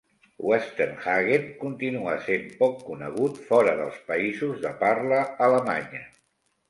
Westernhagen continua sent poc conegut fora dels països de parla alemanya.